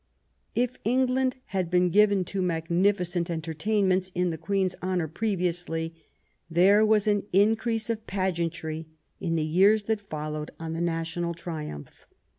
If England had been given to magnificent enter tainments in the Queen's honour previously, there was an increase of pageantry in the years that followed on the national triumph.